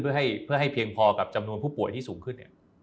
เพื่อให้เพียงพอกับจำนวนผู้ป่วยที่สูงขึ้น